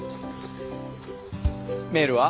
メールは？